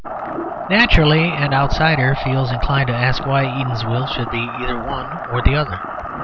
Naturally, an outsider feels inclined to ask why Eatanswill should be either one or the other.